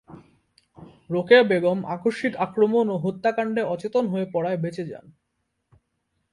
রোকেয়া বেগম আকস্মিক আক্রমণ ও হত্যাকাণ্ডে অচেতন হয়ে পড়ায় বেঁচে যান।